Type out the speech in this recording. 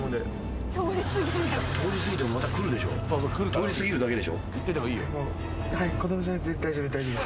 通り過ぎるだけでしょ。